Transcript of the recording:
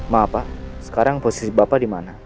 ma'a pa sekarang posisi bapak di mana